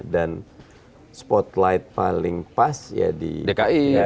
spotlight paling pas ya di dki